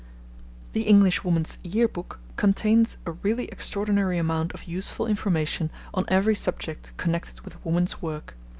The Englishwoman's Year Book contains a really extraordinary amount of useful information on every subject connected with woman's work.